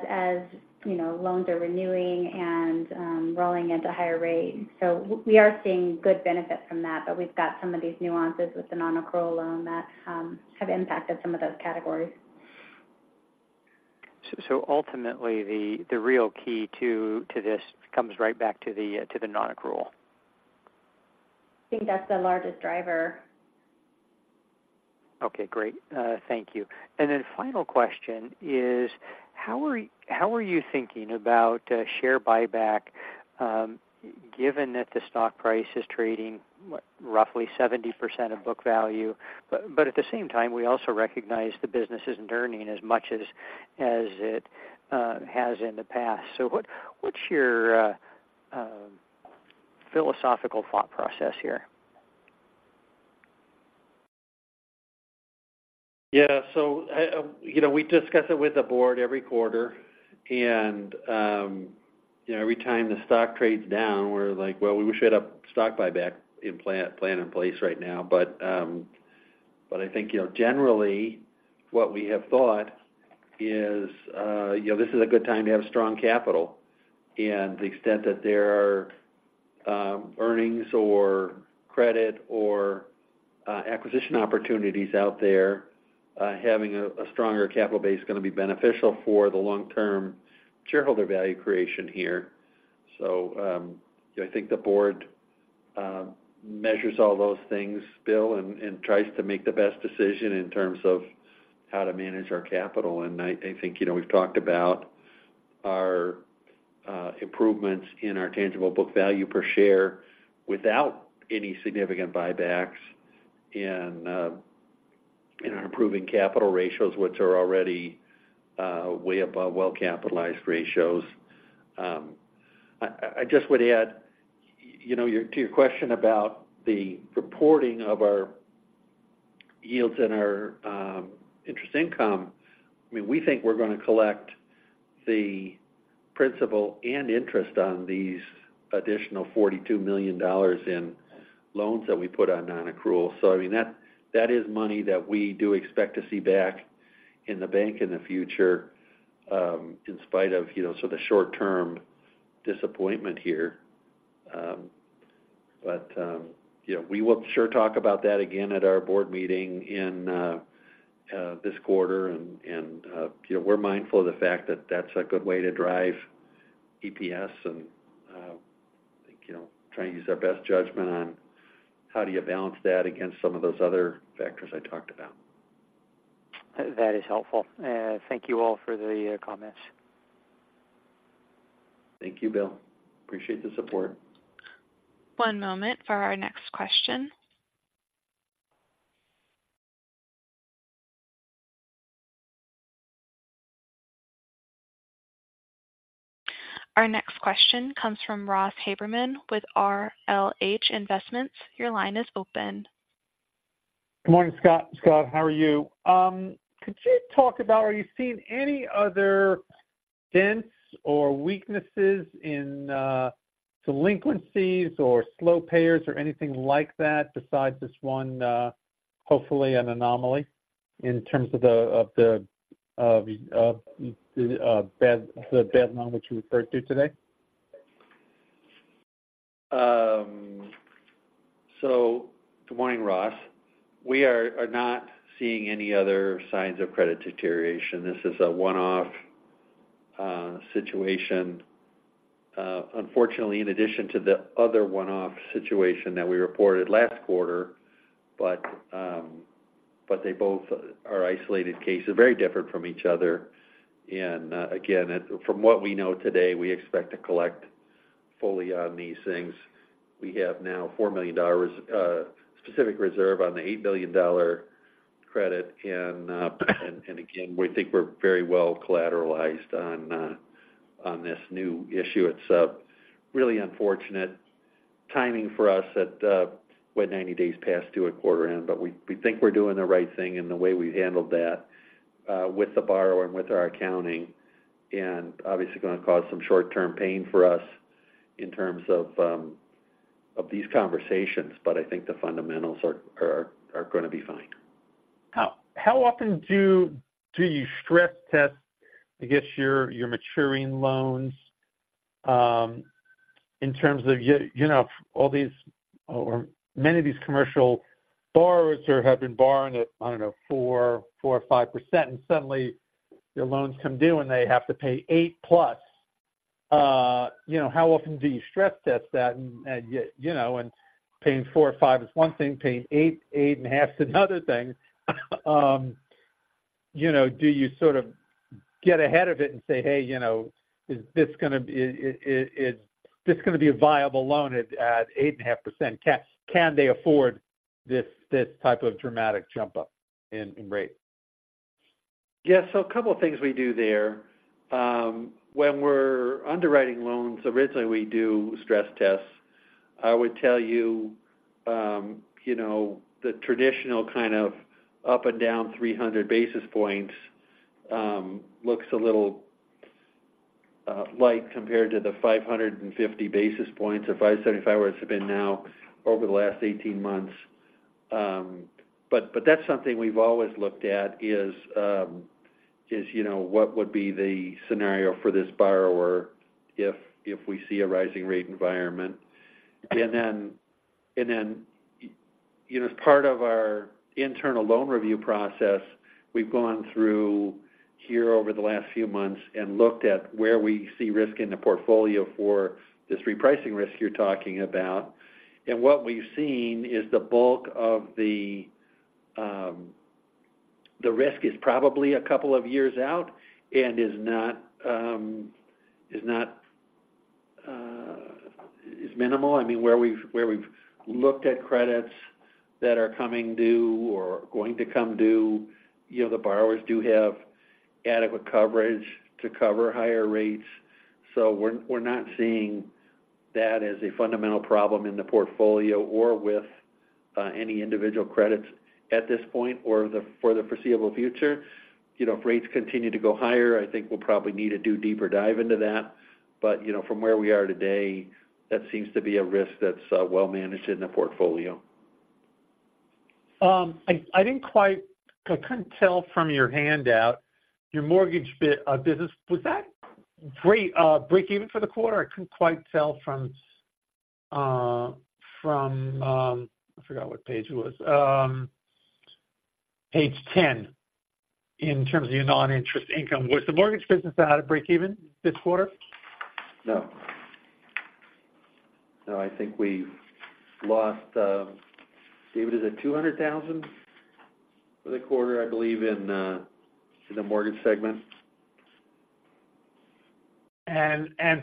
you know, loans are renewing and rolling into higher rate. So we are seeing good benefit from that, but we've got some of these nuances with the nonaccrual loan that have impacted some of those categories. So ultimately, the real key to this comes right back to the nonaccrual? I think that's the largest driver. Okay, great. Thank you. And then final question is, how are you thinking about share buyback, given that the stock price is trading roughly 70% of book value? But at the same time, we also recognize the business isn't earning as much as it has in the past. So what's your philosophical thought process here? Yeah. So I, you know, we discuss it with the Board every quarter. And, you know, every time the stock trades down, we're like: Well, we wish we had a stock buyback plan in place right now. But, but I think, you know, generally, what we have thought is, you know, this is a good time to have strong capital. And the extent that there are, earnings or credit or, acquisition opportunities out there, having a stronger capital base is going to be beneficial for the long-term shareholder value creation here, so, I think the Board measures all those things, Bill, and tries to make the best decision in terms of how to manage our capital. And I think, you know, we've talked about our improvements in our tangible book value per share without any significant buybacks and our improving capital ratios, which are already way above well-capitalized ratios. I just would add, you know, to your question about the reporting of our yields and our interest income. I mean, we think we're going to collect the principal and interest on these additional $42 million in loans that we put on nonaccrual. So I mean, that is money that we do expect to see back in the bank in the future, in spite of, you know, sort of the short-term disappointment here. But you know, we will sure talk about that again at our board meeting in this quarter. You know, we're mindful of the fact that that's a good way to drive EPS and, I think, you know, try and use our best judgment on how do you balance that against some of those other factors I talked about. That is helpful. Thank you all for the comments. Thank you, Bill. Appreciate the support. One moment for our next question. Our next question comes from Ross Haberman with RLH Investments. Your line is open. Good morning Scott. Scott, how are you? Could you talk about, are you seeing any other dents or weaknesses in delinquencies or slow payers or anything like that besides this one, hopefully an anomaly in terms of the bad loan, which you referred to today? So good morning Ross. We are not seeing any other signs of credit deterioration. This is a one-off situation. Unfortunately, in addition to the other one-off situation that we reported last quarter, but they both are isolated cases, very different from each other. And again, from what we know today, we expect to collect fully on these things. We have now $4 million specific reserve on the $8 billion credit. And again, we think we're very well collateralized on this new issue. It's really unfortunate timing for us that went 90 days past due at quarter end. But we think we're doing the right thing in the way we've handled that with the borrower and with our accounting, and obviously going to cause some short-term pain for us in terms of these conversations. But I think the fundamentals are going to be fine. How often do you stress test, I guess, your maturing loans in terms of, you know, all these or many of these commercial borrowers are—have been borrowing at, I don't know, 4% or 5%, and suddenly their loans come due, and they have to pay 8%+? You know, how often do you stress test that? And you know, paying 4% or 5% is one thing, paying 8& or 8.5% is another thing. You know, do you sort of get ahead of it and say, hey, you know, is this gonna be a viable loan at 8.5%? Can they afford this type of dramatic jump up in rate? Yeah. So a couple of things we do there. When we're underwriting loans, originally, we do stress tests. I would tell you, you know, the traditional kind of up and down 300 basis points looks a little light compared to the 550 basis points or 575, where it's been now over the last 18 months. But that's something we've always looked at is, you know, what would be the scenario for this borrower if we see a rising rate environment? And then, you know, as part of our internal loan review process, we've gone through here over the last few months and looked at where we see risk in the portfolio for this repricing risk you're talking about. What we've seen is the bulk of the risk is probably a couple of years out and is minimal. I mean, where we've looked at credits that are coming due or going to come due, you know, the borrowers do have adequate coverage to cover higher rates. So we're not seeing that as a fundamental problem in the portfolio or with any individual credits at this point or for the foreseeable future. You know, if rates continue to go higher, I think we'll probably need to do deeper dive into that. But, you know, from where we are today, that seems to be a risk that's well managed in the portfolio. I didn't quite—I couldn't tell from your handout, your mortgage business, was that break even for the quarter? I couldn't quite tell from, from, I forgot what page it was. Page 10, in terms of your non-interest income, was the mortgage business at a breakeven this quarter? No. No, I think we lost, David, is it $200,000 for the quarter, I believe, in the mortgage segment?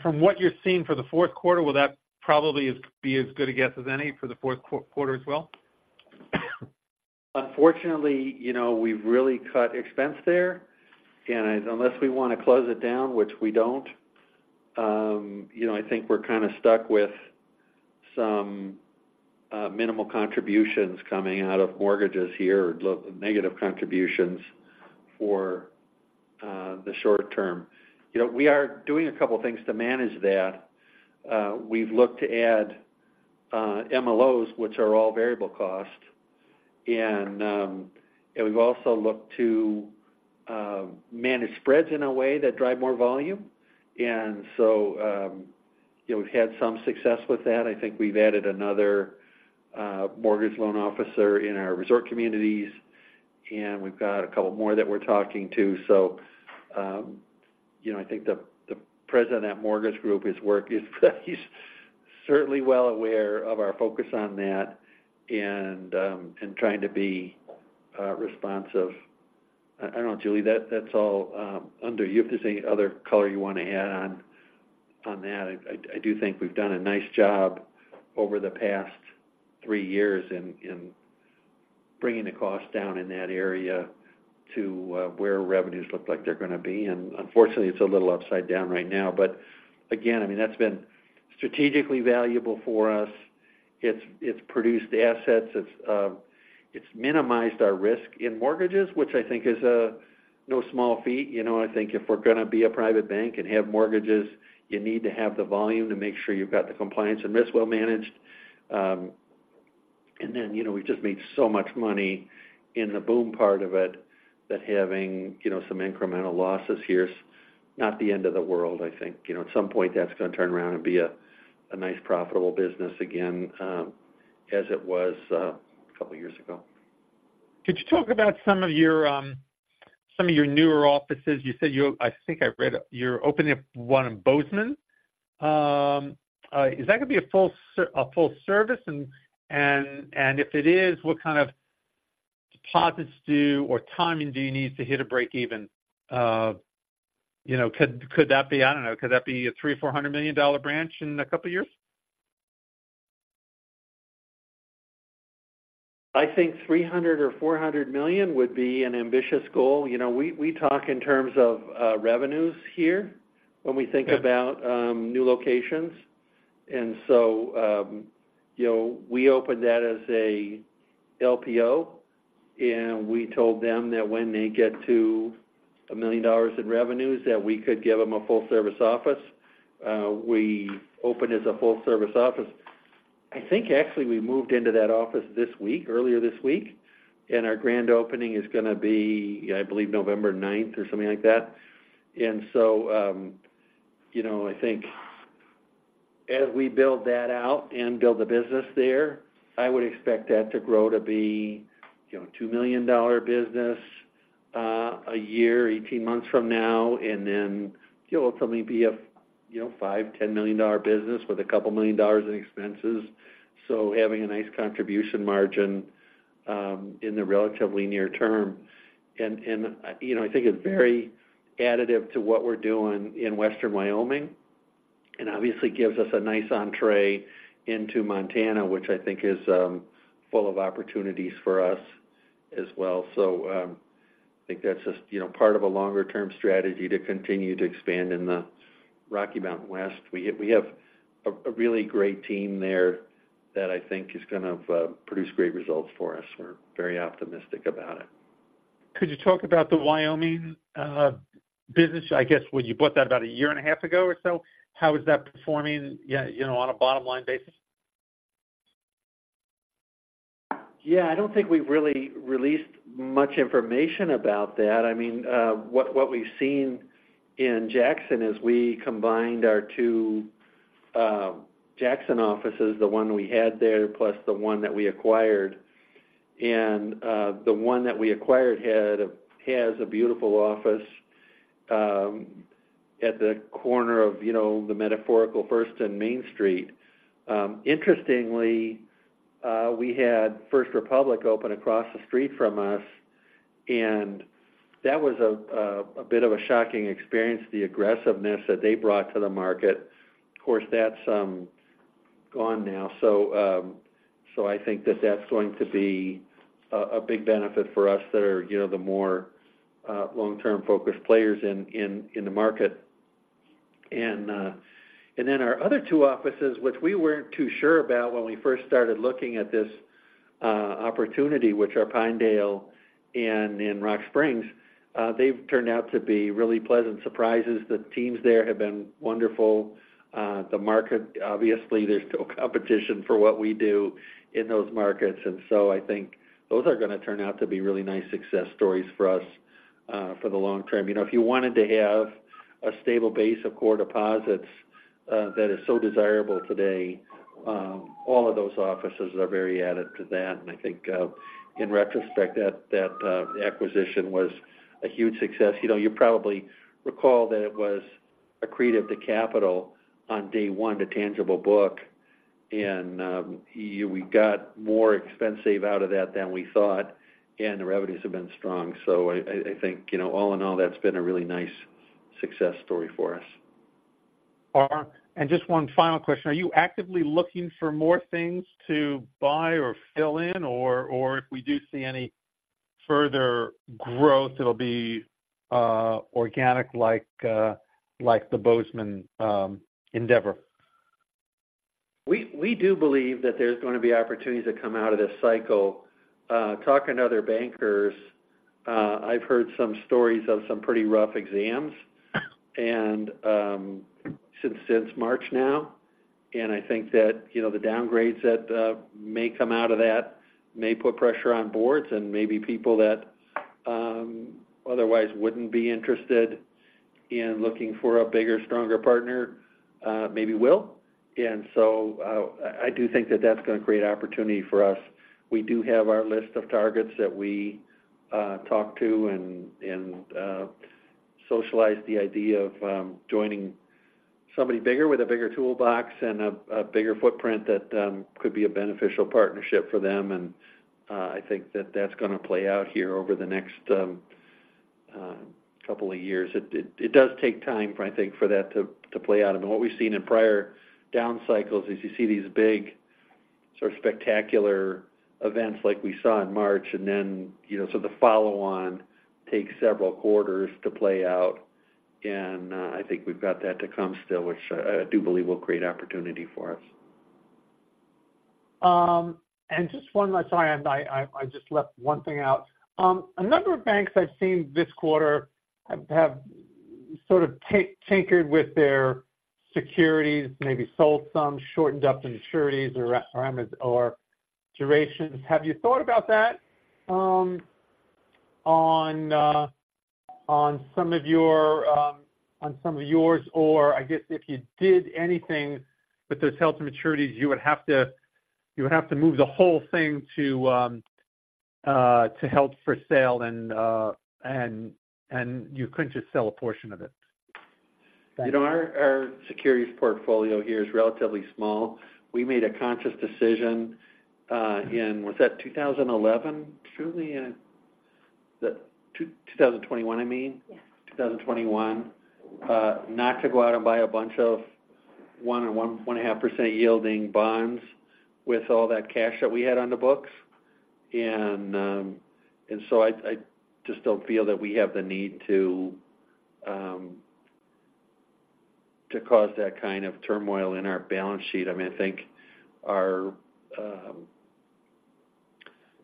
From what you're seeing for the fourth quarter, will that probably be as good a guess as any for the fourth quarter as well? Unfortunately, you know, we've really cut expense there, and unless we want to close it down, which we don't, you know, I think we're kind of stuck with some minimal contributions coming out of mortgages here, negative contributions for the short term. You know, we are doing a couple things to manage that. We've looked to add MLOs, which are all variable cost. And we've also looked to manage spreads in a way that drive more volume. And so, you know, we've had some success with that. I think we've added another mortgage loan officer in our resort communities, and we've got a couple more that we're talking to. So, you know, I think the president at Mortgage Group is working. He's certainly well aware of our focus on that and trying to be responsive. I don't know, Julie, that's all under you. If there's any other color you want to add on that. I do think we've done a nice job over the past three years in bringing the cost down in that area to where revenues look like they're going to be. And unfortunately, it's a little upside down right now. But again, I mean, that's been strategically valuable for us. It's produced assets. It's minimized our risk in mortgages, which I think is no small feat. You know, I think if we're going to be a private bank and have mortgages, you need to have the volume to make sure you've got the compliance and risk well managed. And then, you know, we've just made so much money in the boom part of it, that having, you know, some incremental losses here is not the end of the world, I think. You know, at some point, that's going to turn around and be a nice, profitable business again, as it was, a couple of years ago. Could you talk about some of your some of your newer offices? You said I think I read you're opening up one in Bozeman. Is that going to be a full ser- a full service? And if it is, what kind of deposits do you or timing do you need to hit a breakeven? You know, could that be, I don't know, could that be a $300 million-$400 million branch in a couple of years? I think $300 million or $400 million would be an ambitious goal. You know, we talk in terms of revenues here when we think about- Right New locations. And so, you know, we opened that as a LPO, and we told them that when they get to $1 million in revenues, that we could give them a full service office. We opened as a full service office. I think actually we moved into that office this week, earlier this week, and our grand opening is going to be, I believe, November 9th or something like that. And so, you know, I think as we build that out and build a business there, I would expect that to grow to be, you know, $2 million business, a year, 18 months from now, and then, you know, ultimately be a, you know, $5 million-$10 million business with a couple of $1 million in expenses. So having a nice contribution margin, in the relatively near term. And you know, I think it's very additive to what we're doing in western Wyoming, and obviously gives us a nice entry into Montana, which I think is full of opportunities for us as well. So, I think that's just, you know, part of a longer-term strategy to continue to expand in the Rocky Mountain West. We have a really great team there that I think is going to produce great results for us. We're very optimistic about it. Could you talk about the Wyoming business? I guess, when you bought that about a year and a half ago or so, how is that performing, yeah, you know, on a bottom line basis? Yeah, I don't think we've really released much information about that. I mean, what we've seen in Jackson is we combined our two Jackson offices, the one we had there, plus the one that we acquired. And, the one that we acquired has a beautiful office at the corner of, you know, the metaphorical First and Main Street. Interestingly, we had First Republic open across the street from us, and that was a bit of a shocking experience, the aggressiveness that they brought to the market. Of course, that's gone now. So, I think that that's going to be a big benefit for us that are, you know, the more long-term focused players in the market. And then our other two offices, which we weren't too sure about when we first started looking at this, opportunity, which are Pinedale and in Rock Springs, they've turned out to be really pleasant surprises. The teams there have been wonderful. The market, obviously, there's still competition for what we do in those markets, and so I think those are going to turn out to be really nice success stories for us, for the long term. You know, if you wanted to have a stable base of core deposits, that is so desirable today, all of those offices are very added to that. And I think, in retrospect, that, that, acquisition was a huge success. You know, you probably recall that it was accretive to capital on day one, to tangible book. We got more expensive out of that than we thought, and the revenues have been strong. So I think, you know, all in all, that's been a really nice success story for us. Just one final question. Are you actively looking for more things to buy or fill in? Or, or if we do see any further growth, it'll be, organic, like, like the Bozeman, endeavor? We do believe that there's going to be opportunities that come out of this cycle. Talking to other bankers, I've heard some stories of some pretty rough exams, and since March now. And I think that, you know, the downgrades that may come out of that may put pressure on boards and maybe people that otherwise wouldn't be interested in looking for a bigger, stronger partner, maybe will. And so, I do think that that's going to create opportunity for us. We do have our list of targets that we talk to and socialize the idea of joining somebody bigger, with a bigger toolbox and a bigger footprint that could be a beneficial partnership for them. I think that that's gonna play out here over the next couple of years. It does take time, I think, for that to play out. I mean, what we've seen in prior down cycles is you see these big sort of spectacular events like we saw in March, and then, you know, so the follow-on takes several quarters to play out. And I think we've got that to come still, which I do believe will create opportunity for us. And just one last, sorry, I just left one thing out. A number of banks I've seen this quarter have sort of tinkered with their securities, maybe sold some, shortened up the maturities or durations. Have you thought about that, on some of yours? Or I guess if you did anything with those held-to-maturities, you would have to move the whole thing to held for sale, and you couldn't just sell a portion of it. You know, our securities portfolio here is relatively small. We made a conscious decision, in was that 2011, Julie? 2021, I mean. Yes. 2021, not to go out and buy a bunch of 1% or1.5% yielding bonds with all that cash that we had on the books. And, and so I just don't feel that we have the need to cause that kind of turmoil in our balance sheet. I mean, I think our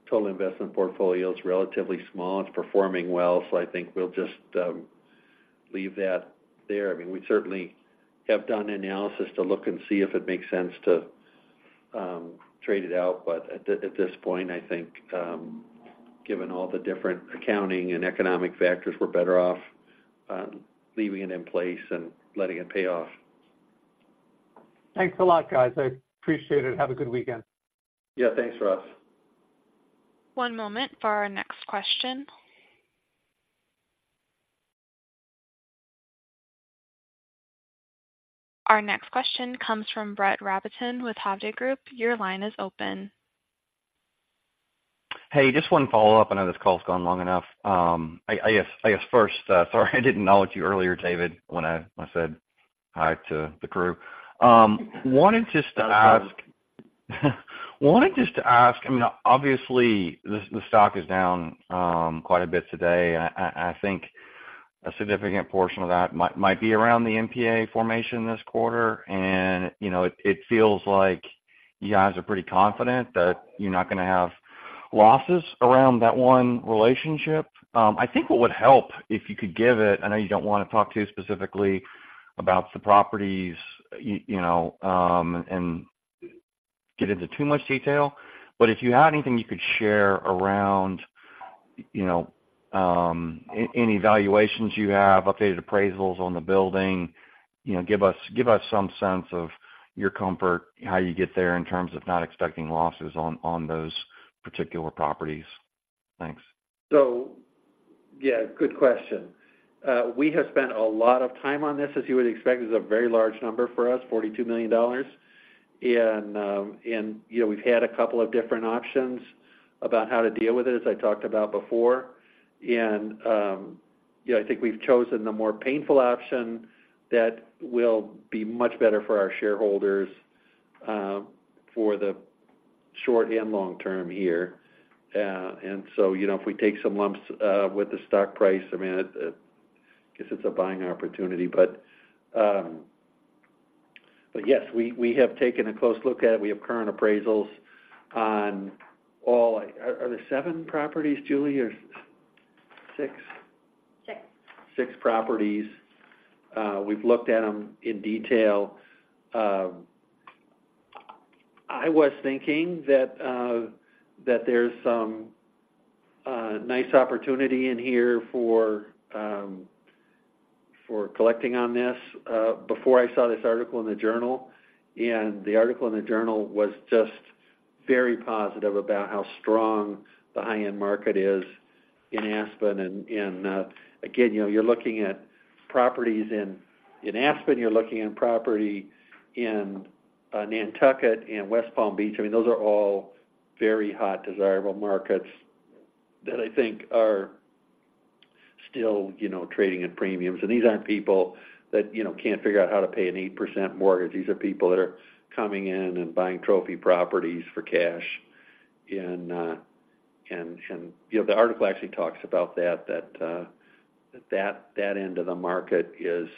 total investment portfolio is relatively small. It's performing well, so I think we'll just leave that there. I mean, we certainly have done analysis to look and see if it makes sense to trade it out. But at this point, I think, given all the different accounting and economic factors, we're better off leaving it in place and letting it pay off. Thanks a lot, guys. I appreciate it. Have a good weekend. Yeah, thanks, Ross. One moment for our next question. Our next question comes from Brett Rabatin with Hovde Group. Your line is open. Hey, just one follow-up. I know this call has gone long enough. I guess first, sorry, I didn't acknowledge you earlier, David, when I said hi to the crew. Wanted just to ask, I mean, obviously, the stock is down quite a bit today. I think a significant portion of that might be around the NPA formation this quarter. And, you know, it feels like you guys are pretty confident that you're not gonna have losses around that one relationship. I think what would help, if you could give it, I know you don't want to talk too specifically about the properties, you know, and get into too much detail. But if you had anything you could share around, you know, any valuations you have, updated appraisals on the building, you know, give us, give us some sense of your comfort, how you get there in terms of not expecting losses on, on those particular properties? Thanks. So, yeah, good question. We have spent a lot of time on this. As you would expect, this is a very large number for us, $42 million. And, you know, we've had a couple of different options about how to deal with it, as I talked about before. And, yeah, I think we've chosen the more painful option that will be much better for our shareholders, for the short and long term here. And so, you know, if we take some lumps with the stock price, I mean, I guess it's a buying opportunity. But, yes, we have taken a close look at it. We have current appraisals on all. Are there seven properties, Julie, or six? Six. Six properties. We've looked at them in detail. I was thinking that that there's some nice opportunity in here for collecting on this before I saw this article in the Journal. And the article in the Journal was just very positive about how strong the high-end market is in Aspen. And again, you know, you're looking at properties in Aspen, you're looking at property in Nantucket and West Palm Beach. I mean, those are all very hot, desirable markets that I think are still, you know, trading at premiums. And these aren't people that, you know, can't figure out how to pay an 8% mortgage. These are people that are coming in and buying trophy properties for cash. You know, the article actually talks about that end of the market is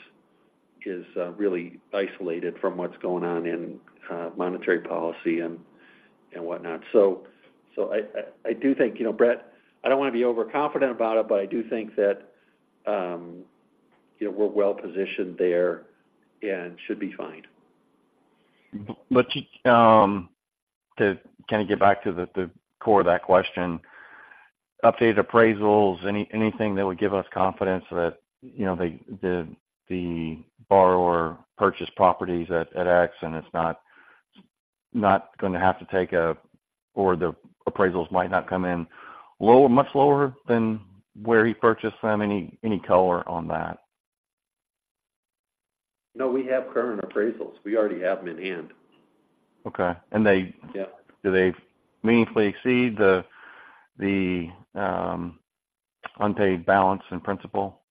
really isolated from what's going on in monetary policy and whatnot. I do think, you know, Brett, I don't want to be overconfident about it, but I do think that, you know, we're well positioned there and should be fine. But to kind of get back to the core of that question, updated appraisals, anything that would give us confidence that, you know, the borrower purchased properties at X, and it's not going to have to take a, or the appraisals might not come in lower, much lower than where he purchased them? Any color on that? No, we have current appraisals. We already have them in hand. Okay. And they- Yeah. Do they meaningfully exceed the unpaid balance in principal?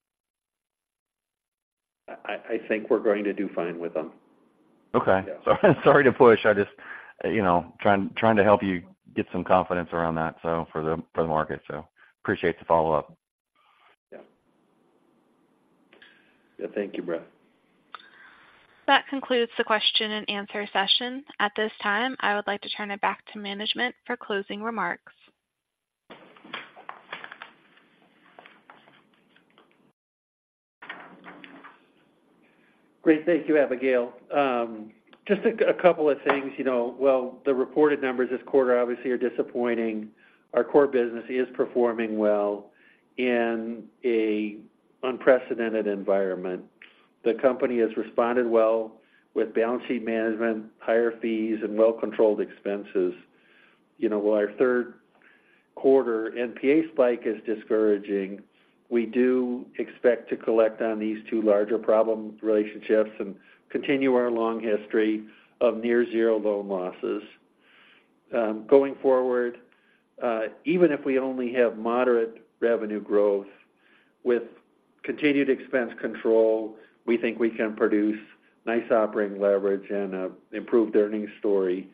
I think we're going to do fine with them. Okay. Yeah. Sorry to push. I just, you know, trying, trying to help you get some confidence around that, so for the, for the market. Appreciate the follow-up. Yeah. Yeah. Thank you, Brett. That concludes the question-and-answer session. At this time, I would like to turn it back to management for closing remarks. Great. Thank you, Abigail. Just a couple of things, you know. While the reported numbers this quarter obviously are disappointing, our core business is performing well in an unprecedented environment. The company has responded well with balance sheet management, higher fees, and well-controlled expenses. You know, while our third quarter NPA spike is discouraging, we do expect to collect on these two larger problem relationships and continue our long history of near zero loan losses. Going forward, even if we only have moderate revenue growth with continued expense control, we think we can produce nice operating leverage and improved earnings story.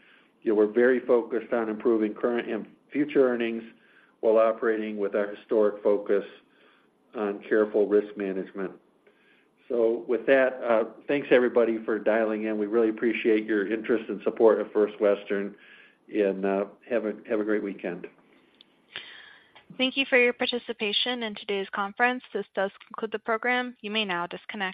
We're very focused on improving current and future earnings while operating with our historic focus on careful risk management. So with that, thanks, everybody, for dialing in. We really appreciate your interest and support of First Western, and have a great weekend. Thank you for your participation in today's conference. This does conclude the program. You may now disconnect.